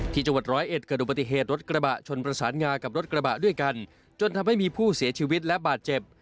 ที่จังหวัดร้อยเอ็ดเกิดอุบัติเหตุรถกระบะชนประสานงากับรถกระบะด้วยกันจนทำให้มีผู้เสียชีวิตและบาดเจ็บ